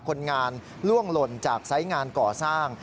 คนงานล่วงหล่นจากไซส์งานก่อสร้าง